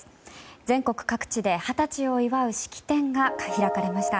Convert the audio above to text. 全国各地で、二十歳を祝う式典が開かれました。